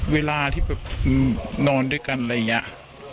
เวลาที่แบบนอนด้วยกันอะไรอย่างนี้